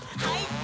はい。